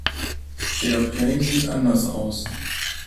Fairplay sieht anders aus.